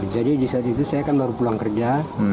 jadi di saat itu saya kan baru pulang kerja